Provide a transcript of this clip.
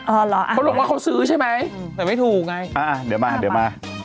เออเหรออะเอาใหม่ดีแล้วฉันหัวใจเลยฉ่ายแต่ได้ซูขอแนบ